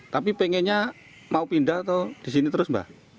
tapi pengennya mau pindah atau di sini terus mbak